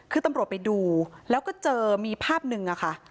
คือตำรวจไปดูแล้วก็เจอมีภาพหนึ่งอะค่ะ